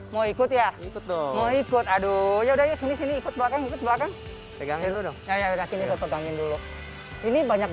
mau ikut ya ikut aduh ya udah sini sini ikut belakang belakang pegangin dulu ini banyak